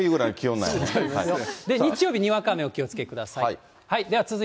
日曜日、にわか雨お気をつけください。